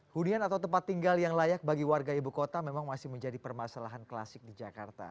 hunian atau tempat tinggal yang layak bagi warga ibu kota memang masih menjadi permasalahan klasik di jakarta